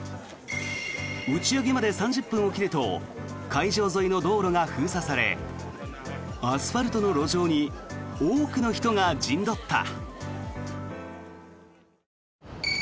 打ち上げまで３０分を切ると会場沿いの道路が封鎖されアスファルトの路上に多くの人が陣取った。